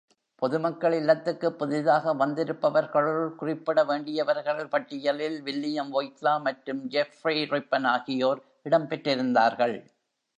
பொதுமக்கள் இல்லத்துக்குப் புதிதாக வந்திருப்பவர்களுள் குறிப்பிடவேண்டியவர்கள் பட்டியலில் வில்லியம் வொய்ட்லா மற்றும் ஜெஃப்ரே ரிப்பன் ஆகியோர் இடம்பெற்றிருந்தார்கள்.